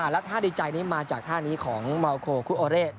แล้วท่าดีใจนี้มาจากท่านี้ของเมาโคคุโอเรศ